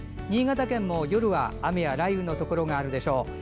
新潟県も夜は、雨や雷雨のところがあるでしょう。